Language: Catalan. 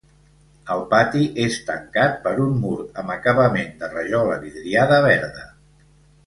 El pati és tancat per un mur amb acabament de rajola vidriada verda.